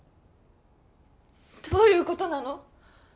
どういうことなの？